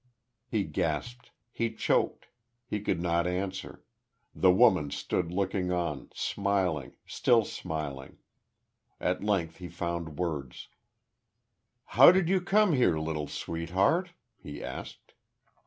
He gasped. He choked. He could not answer.... The woman stood looking on, smiling still smiling. At length he found words: "How did you come here, little sweetheart?" he asked.